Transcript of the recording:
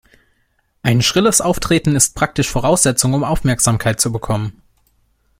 Ein schrilles Auftreten ist praktisch Voraussetzung, um Aufmerksamkeit zu bekommen.